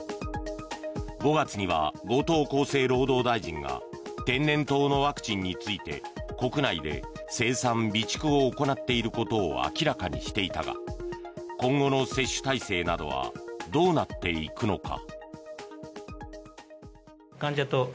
５月には後藤厚生労働大臣が天然痘のワクチンについて国内で生産・備蓄を行っていることを明らかにしていたが今後の接種体制などはどうなっていくのだろうか。